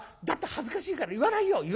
『だって恥ずかしいから言わないよ』。